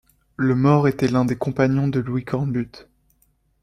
Le mort était l’un des compagnons de Louis Cornbutte!